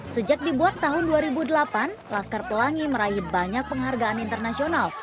sejak dibuat tahun dua ribu delapan laskar pelangi meraih banyak penghargaan internasional